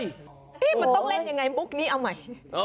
นี่มันต้องเล่นยังไงมุกนี้เอาใหม่